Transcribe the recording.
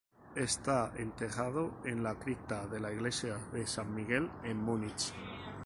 Está enterrado en la cripta de la iglesia de San Miguel, en Múnich.